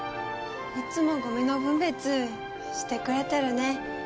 いっつもゴミの分別してくれてるね